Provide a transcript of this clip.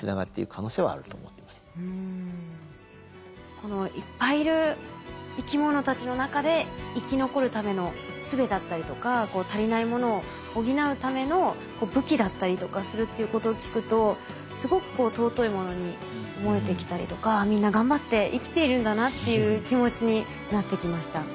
このいっぱいいる生き物たちの中で生き残るためのすべだったりとか足りないものを補うための武器だったりとかするっていうことを聞くとすごく尊いものに思えてきたりとかみんな頑張って生きているんだなっていう気持ちになってきました。